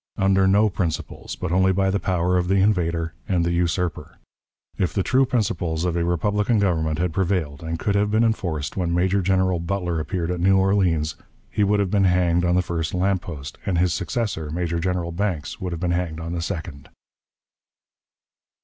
Under no principles, but only by the power of the invader and the usurper. If the true principles of a republican government had prevailed and could have been enforced when Major General Butler appeared at New Orleans, he would have been hanged on the first lamp post, and his successor, Major General Banks, would have been hanged on the second.